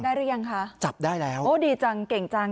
ได้รึยังคะโอ้ยดีจังเก่งจัง